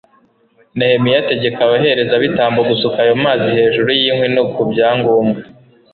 nehemiya ategeka abaherezabitambo gusuka ayo mazi hejuru y'inkwi no ku bya ngombwa